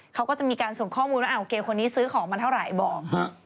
เขาก็จะมีการส่งข้อมูลว่าโอเคคนนี้ซื้อของมาเท่าไหร่บอก